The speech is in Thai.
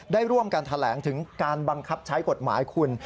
ได้ร่วมกันแถลงถึงการบังคับใช้กฎหมายคุณ